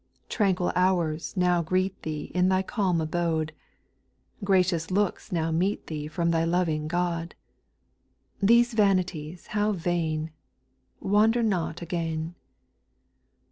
4 Tranquil hours now greet thee In thy calm abode ; Gracious looks now meet thee From thy loving God. These vanities how vain ! Wander not again.